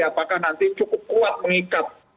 apakah nanti cukup kuat mengikat